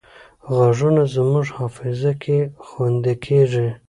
غږونه زموږ حافظه کې خوندي کېږي